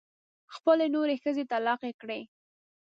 خپلې نورې ښځې طلاقې کړې.